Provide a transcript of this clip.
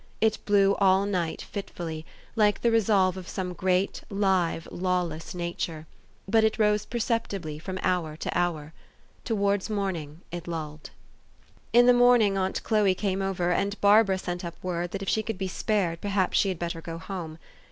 It blew all night fitfully, like the re solve of some great live, lawless nature ; but it rose perceptibly from hour to hour. Towards morning it lulled. In the morning aunt Chloe came over, and Barbara sent up word, that, if she could be spared, perhaps she had better go home.